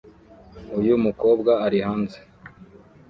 Uyu mukobwa ari hanze